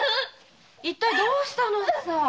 一体どうしたのさ？